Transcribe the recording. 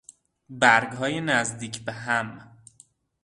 برگهای نزدیک به هم